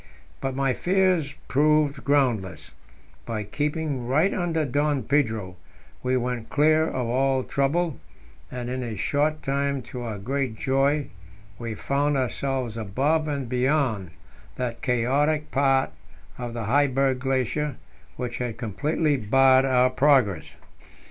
But my fears proved groundless; by keeping right under Don Pedro we went clear of all trouble, and in a short time, to our great joy, we found ourselves above and beyond that chaotic part of the Heiberg Glacier which had completely barred our progress.